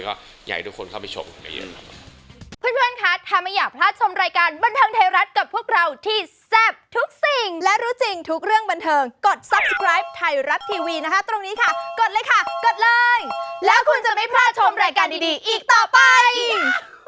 ก็อยากให้ทุกคนเข้าไปชมกันกัน